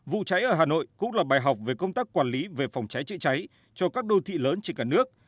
vụ cháy ở hà nội cũng là bài học về công tác quản lý về phòng cháy chữa cháy cho các đô thị lớn trên cả nước